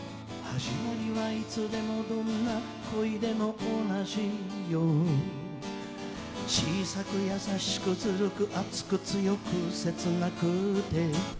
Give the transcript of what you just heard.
「始まりはいつでもどんな恋でも同じ様」「小さく優しくずるく熱く強く切なくて」